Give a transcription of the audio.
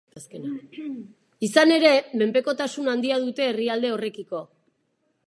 Izan ere, menpekotasun handia dute herrialde horrekiko.